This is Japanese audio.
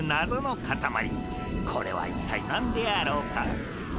これは一体なんであろうか？